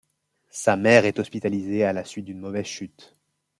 Sa mère est hospitalisée à la suite d'une mauvaise chute.